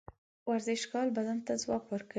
ورزش کول بدن ته ځواک ورکوي.